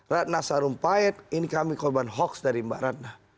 ratna sarumpait ini kami korban hoax dari mbak ratna